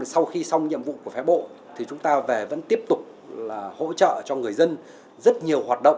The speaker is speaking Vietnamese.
sau khi xong nhiệm vụ của phái bộ thì chúng ta về vẫn tiếp tục là hỗ trợ cho người dân rất nhiều hoạt động